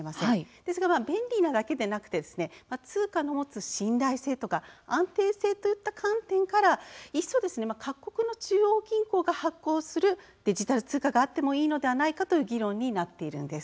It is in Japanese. ですが、便利なだけではなく通貨の持つ信頼性とか安定性といった観点からいっそ、各国の中央銀行が発行するデジタル通貨があってもいいのではないかという議論になっています。